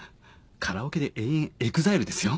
カラオケで延々ＥＸＩＬＥですよ。